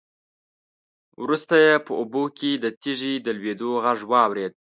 وروسته يې په اوبو کې د تېږې د لوېدو غږ واورېد.